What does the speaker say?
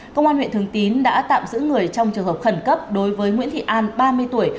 công an huyện thường tín đã tạm giữ người trong trường hợp khẩn cấp đối với nguyễn thị an ba mươi tuổi